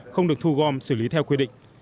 không được thu gom xử lý theo quy định